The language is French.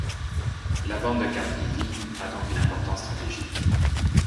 La bande de Caprivi a donc une importance stratégique.